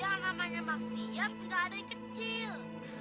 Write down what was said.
ya namanya maksiat gak ada yang kecil